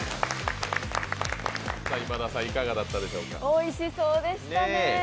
おいしそうでしたね。